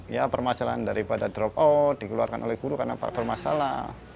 ya permasalahan daripada drop out dikeluarkan oleh guru karena faktor masalah